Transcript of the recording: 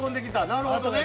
なるほどね。